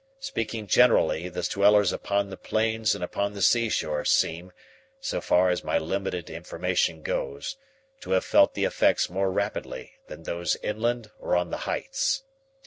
Speaking generally, the dwellers upon the plains and upon the seashore seem, so far as my limited information goes, to have felt the effects more rapidly than those inland or on the heights.